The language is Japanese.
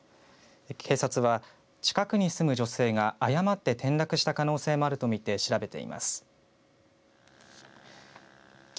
警察は、近くに住む女性が誤って転落した可能性もあるとみて調べています。